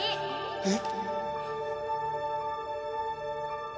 えっ。